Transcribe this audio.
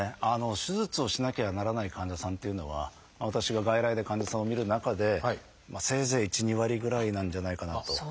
手術をしなきゃならない患者さんっていうのは私が外来で患者さんを診る中でせいぜい１２割ぐらいなんじゃないかなと。